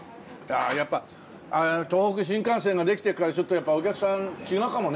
あやっぱ東北新幹線ができてからちょっとやっぱお客さん違うかもね。